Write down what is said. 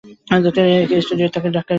এর স্টুডিও ঢাকার মিরপুরে অবস্থিত।